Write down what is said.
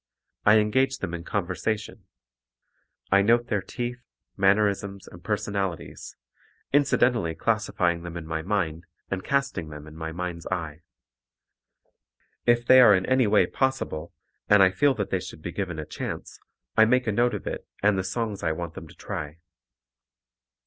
I engage them in conversation. I note their teeth, mannerisms and personalities, incidentally classifying them in my mind and casting them in my mind's eye. If they are in any way possible and I feel that they should be given a chance, I make a note of it and the songs I want them to try.